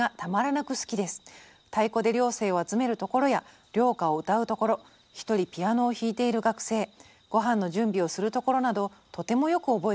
太鼓で寮生を集めるところや寮歌を歌うところ一人ピアノを弾いている学生御飯の準備をするところなどとてもよく覚えています」。